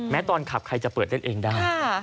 ตอนขับใครจะเปิดเล่นเองได้